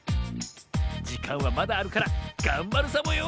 じかんはまだあるからがんばるサボよ